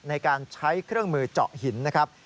ในการใช้เครื่องมือเจาะหินนะครับ